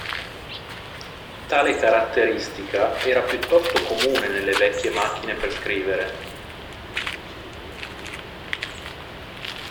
Tale caratteristica era piuttosto comune nelle vecchie macchine per scrivere.